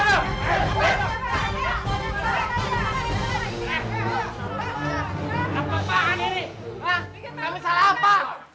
hah kami salah apa